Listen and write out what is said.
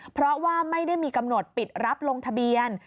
เพราะว่าไม่ได้มีกำหนดปิดรับลงทะเบียน